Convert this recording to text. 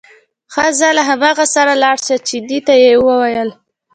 ښه ځه له هماغه سره لاړ شه، چیني ته یې وویل.